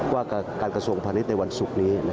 ว่าการกระทรวงพาณิชย์ในวันศุกร์นี้